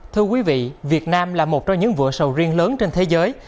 thưa quý vị việt nam là một trong những vựa sầu riêng lớn trên thế giới